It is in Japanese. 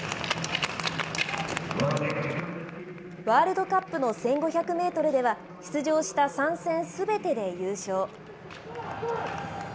ワールドカップの１５００メートルでは、出場した３戦すべてで優勝。